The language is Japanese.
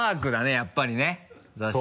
やっぱりね雑誌。